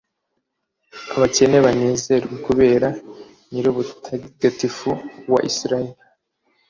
abakene banezerwe kubera Nyirubutagatifu wa Israheli.